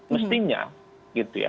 mestinya gitu ya